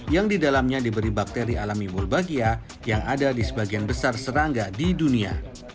yang didalamnya diberi bakteri alami bulbagia yang ada di sebagian besar serangga di dunia